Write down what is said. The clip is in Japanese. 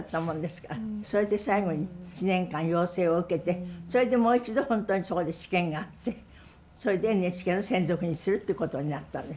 それで最後に１年間養成を受けてそれでもう一度本当にそこで試験があってそれでＮＨＫの専属にするってことになったんです。